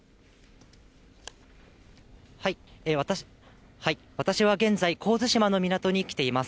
私は現在、神津島の港に来ています。